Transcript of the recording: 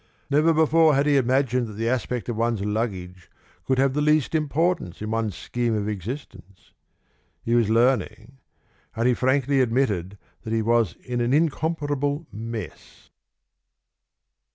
Never before had he imagined that the aspect of one's luggage could have the least importance in one's scheme of existence. He was learning, and he frankly admitted that he was in an incomparable mess.